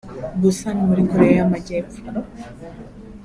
Busan muri Koreya y’Amajyepfo